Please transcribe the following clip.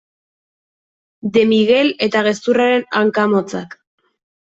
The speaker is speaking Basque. De Miguel eta gezurraren hanka motzak.